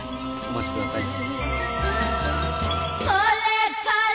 お待ちください。